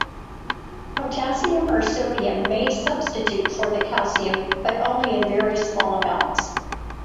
Potassium or sodium may substitute for the calcium but only in very small amounts.